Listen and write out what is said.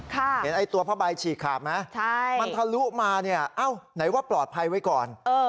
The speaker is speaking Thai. เห็นไอ้ตัวผ้าใบฉีกขาดไหมมันทะลุมาเนี่ยเอ้าไหนว่าปลอดภัยไว้ก่อน